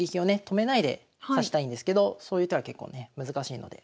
止めないで指したいんですけどそういう手は結構ね難しいので。